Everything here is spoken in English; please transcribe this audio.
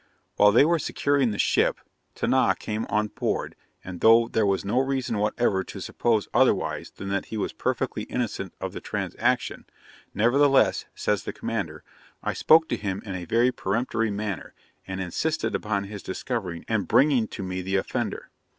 While they were securing the ship, Tinah came on board; and though there was no reason whatever to suppose otherwise than that he was perfectly innocent of the transaction, nevertheless, says the commander, 'I spoke to him in a very peremptory manner, and insisted upon his discovering and bringing to me the offender.